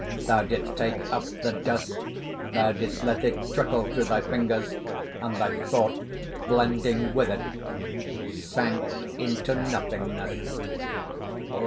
Thou didst take up the dust: thou didst let it trickle through thy fingers; and thy thought, blending with it, sank into nothingness."